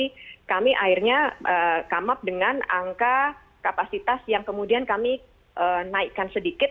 dan kami akhirnya come up dengan angka kapasitas yang kemudian kami naikkan sedikit